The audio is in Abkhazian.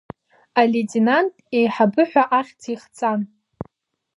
Алеитенант еиҳабы ҳәа ахьӡ ихҵан.